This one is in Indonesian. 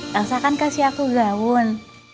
langsakan kasih aku gaun